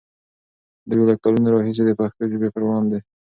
دوی له کلونو راهیسې د پښتو ژبې پر وړاندې